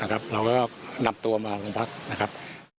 เราก็นำตัวมาลงพักนะครับ